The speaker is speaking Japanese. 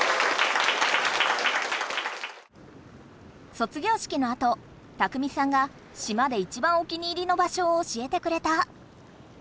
卒業式のあと拓海さんが島でいちばんお気に入りの場所を教えてくれた。